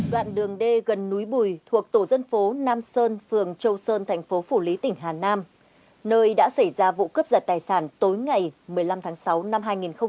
đoạn đường d gần núi bùi thuộc tổ dân phố nam sơn phường châu sơn thành phố phủ lý tỉnh hà nam nơi đã xảy ra vụ cướp giật tài sản tối ngày một mươi năm tháng sáu năm hai nghìn hai mươi ba